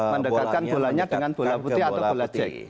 mendekatkan bolanya dengan bola putih atau bola jack